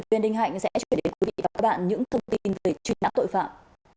tuyên đinh hạnh sẽ truyền đến quý vị và các bạn những thông tin về truy nã tội phạm